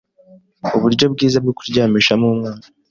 uburyo bwiza bwo kuryamishamo umwana